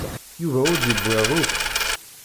Yuba ur d-yewwiḍ akk.